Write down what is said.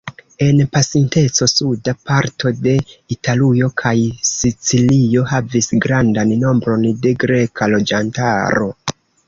En pasinteco suda parto de Italujo kaj Sicilio havis grandan nombron de greka loĝantaro.